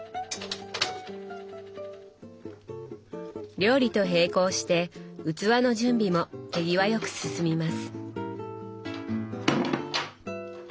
料理と並行して器の準備も手際よく進みます。